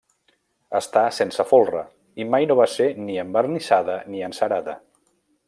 Està sense folre, i mai no va ser ni envernissada ni encerada.